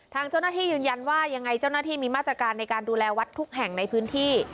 ทางเจ้าหน้าที่ยืนยันว่ายังไงเจ้าหน้าที่มีมาตรการในการดูแลวัดทุกแห่งในพื้นที่